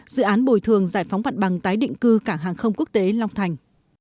dự án bồi thường giải phóng mặt bằng tái định cư cảng hàng không quốc tế long thành